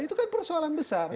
itu kan persoalan besar